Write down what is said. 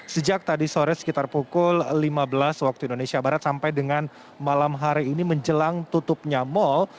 sejak tadi sore sekitar pukul lima belas waktu indonesia barat sampai dengan malam hari ini menjelang tutupnya mal